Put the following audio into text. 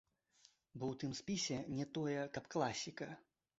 Бо ў тым спісе не тое, каб класіка.